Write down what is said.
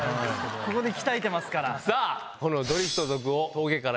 ここで鍛えてますから。